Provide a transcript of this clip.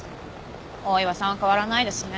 大岩さんは変わらないですね